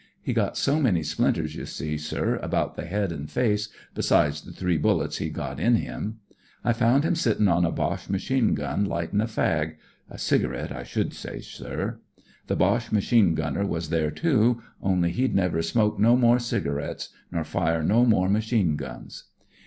He got so many splinters, you see, sir, about the head an' face, besides the three bullets he'd got in him. I found him sittin' on a Boche machine gun lightin' a fag; a cigarette, I should say, sir. The Boche machine gunner was there, too ; only he'd never smoke no more cigarettes, nor fire no more machine guns.